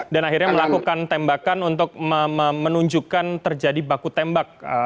dan akhirnya melakukan tembakan untuk menunjukkan terjadi baku tembak